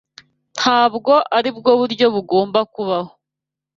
Ntabwo aribwo buryo bugomba kubaho.